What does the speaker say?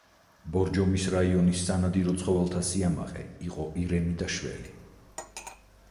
ბორჯომის რაიონის სანადირო ცხოველთა სიამაყე იყო ირემი და შველი.